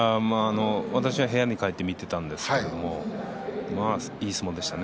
私は部屋に帰って見ていましたがいい相撲でしたね。